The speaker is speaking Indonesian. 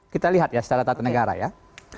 kita lihat ya secara ketatanegaraan